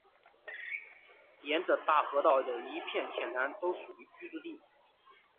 沿着大河道的一片浅滩都属于居住地。